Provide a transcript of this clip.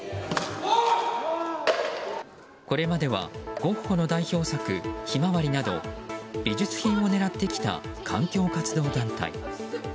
これまではゴッホの代表作「ひまわり」など美術品を狙ってきた環境活動団体。